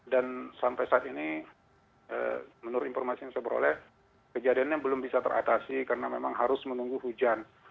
dan sampai saat ini menurut informasi yang disebut oleh kejadiannya belum bisa teratasi karena memang harus menunggu hujan